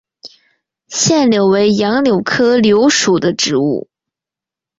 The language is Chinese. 腺柳为杨柳科柳属的植物。